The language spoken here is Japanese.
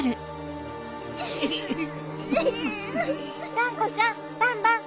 がんこちゃんバンバン！